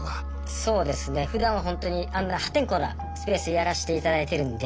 そうですね。ふだんはほんとにあんな破天荒なスペースやらしていただいてるんで。